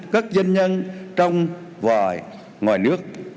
các dân nhân trong vài ngoài nước